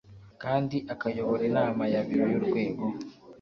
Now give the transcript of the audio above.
kandi akayobora inama ya biro y urwego